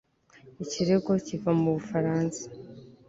Ikirego kiva mubufaransa